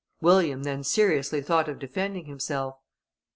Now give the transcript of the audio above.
William then seriously thought of defending himself.